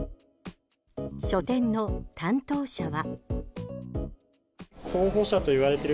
書店の担当者は。